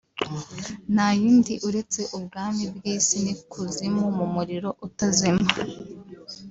nta yindi uretse ubwami bw’isi n’ikuzimu mu murimo utazima